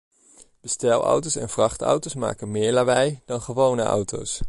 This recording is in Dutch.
Bestelauto's en vrachtauto's maken meer lawaai dan gewone auto's.